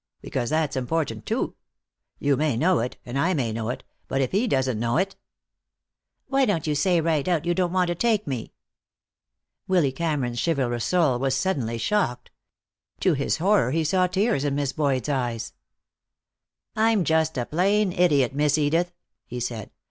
Because that's important, too. You may know it, and I may know it, but if he doesn't know it " "Why don't you say right out you don't want to take me?" Willy Cameron's chivalrous soul was suddenly shocked. To his horror he saw tears in Miss Boyd's eyes. "I'm just a plain idiot, Miss Edith," he said.